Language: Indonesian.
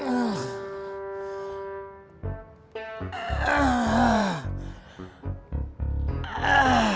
tunda sekolah yang tidak jauh